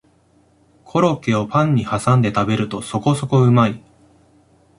コロッケをパンにはさんで食べるとそこそこうまい